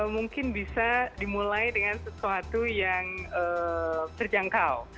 mungkin bisa dimulai dengan sesuatu yang terjangkau